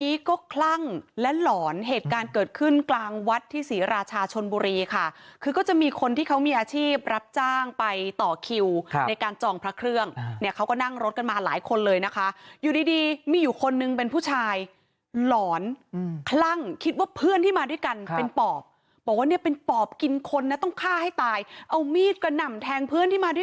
นี้ก็คลั่งและหลอนเหตุการณ์เกิดขึ้นกลางวัดที่ศรีราชาชนบุรีค่ะคือก็จะมีคนที่เขามีอาชีพรับจ้างไปต่อคิวในการจองพระเครื่องเนี่ยเขาก็นั่งรถกันมาหลายคนเลยนะคะอยู่ดีดีมีอยู่คนนึงเป็นผู้ชายหลอนคลั่งคิดว่าเพื่อนที่มาด้วยกันเป็นปอบบอกว่าเนี่ยเป็นปอบกินคนนะต้องฆ่าให้ตายเอามีดกระหน่ำแทงเพื่อนที่มาที่